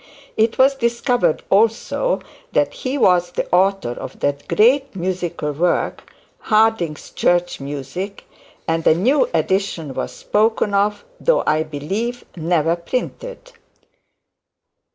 It was discovered also, that he was the author of that great musical work, Harding's Church Music, and a new edition was spoken of, though, I believe, never printed.